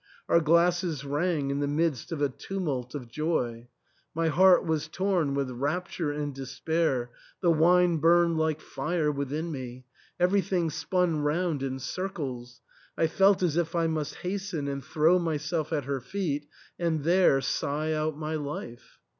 Our glasses rang in the midst of a tumult of joy. My heart was torn with rapture and despair ; the wine burned like fire within me ; everything spun round in circles ; I felt as if I must hasten and throw myself at her feet and there sigh out my life.